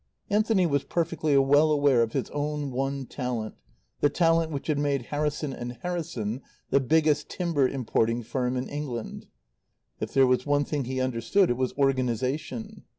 Anthony was perfectly well aware of his own one talent, the talent which had made "Harrison and Harrison" the biggest timber importing firm in England. If there was one thing he understood it was organization.